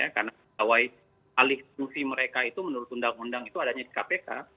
karena alih fungsi mereka itu menurut undang undang itu adanya di kpk